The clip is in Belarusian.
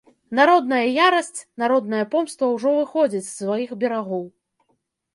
Народная ярасць, народная помста ўжо выходзіць з сваіх берагоў.